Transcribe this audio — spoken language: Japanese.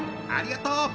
ありがとう。